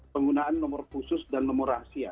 penggunaan nomor khusus dan nomor rahasia